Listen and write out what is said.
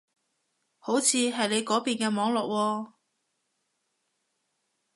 好似係你嗰邊嘅網絡喎